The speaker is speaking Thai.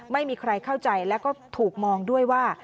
ไม่มีใครเข้าใจแล้วก็ถูกมองด้วยว่า